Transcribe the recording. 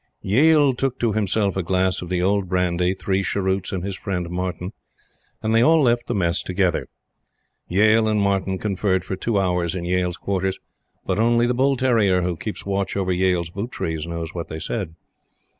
Yale took to himself a glass of the old brandy, three cheroots, and his friend, Martyn; and they all left the Mess together. Yale and Martyn conferred for two hours in Yale's quarters; but only the bull terrier who keeps watch over Yale's boot trees knows what they said.